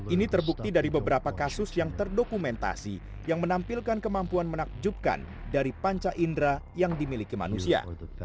ini terbukti dari beberapa kasus yang terdokumentasi yang menampilkan kemampuan menakjubkan dari panca indera yang dimiliki manusia